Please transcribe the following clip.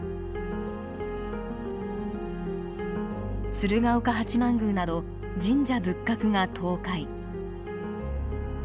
鶴岡八幡宮など神社仏閣が倒壊。